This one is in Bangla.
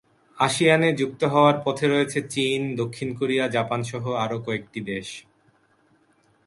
আসিয়ানে যুক্ত হওয়ার পথে রয়েছে চীন, দক্ষিণ কোরিয়া, জাপানসহ আরও কয়েকটি দেশ।